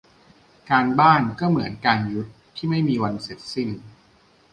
การบ้าน ก็เหมือนกับ การยุทธ์ ที่ไม่มีวันสิ้นเสร็จ